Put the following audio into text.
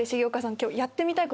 今日。